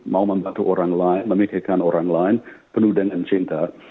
mau membantu orang lain memikirkan orang lain penuh dengan cinta